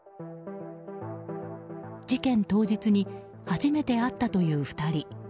事件当日に初めて会ったという２人。